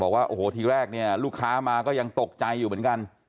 บอกว่าโอ้โหทีแรกเนี่ยลูกค้ามาก็ยังตกใจอยู่เหมือนกัน